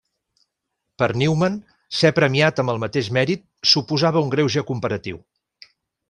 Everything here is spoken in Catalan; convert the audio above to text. Per Newman, ser premiat amb el mateix mèrit suposava un greuge comparatiu.